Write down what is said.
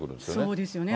そうですよね。